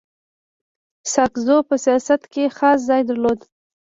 ساکزو په سیاست کي خاص ځای درلود.